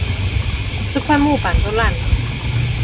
這塊木板都爛了